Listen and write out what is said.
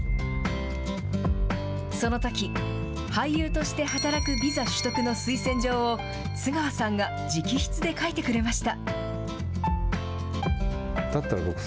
そのとき、俳優として働くビザ取得の推薦状を、津川さんが直筆で書いてくれました。